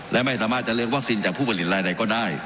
และไม่สามารถจะเลือกวัคซีนจากผู้ผลิตรายใดก็ได้